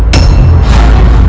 salah satu dari mereka